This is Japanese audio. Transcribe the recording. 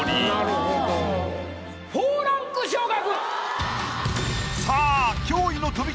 ４ランク昇格！